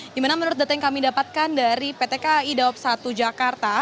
dimana menurut data yang kami dapatkan dari pt kai dawab satu jakarta